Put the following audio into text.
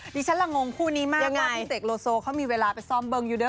ดิฉันละงงคู่นี้มากนะพี่เสกโลโซเขามีเวลาไปซ่อมเบิ้งอยู่เด้อ